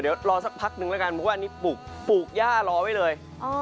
เดี๋ยวรอสักพักนึงแล้วกันเพราะว่าอันนี้ปลูกย่ารอไว้เลย